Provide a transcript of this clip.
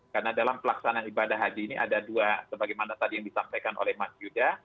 karena dalam pelaksanaan ibadah haji ini ada dua sebagaimana tadi yang disampaikan oleh mas yuda